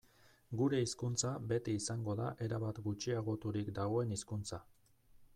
Gure hizkuntza beti izango da erabat gutxiagoturik dagoen hizkuntza.